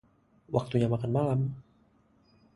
Waktunya makan malam.